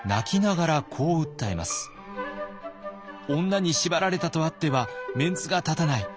「女に縛られたとあってはメンツが立たない。